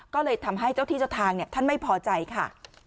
ก็เลยทำให้เจ้าที่เจ้าทางท่านไม่พอใจค่ะ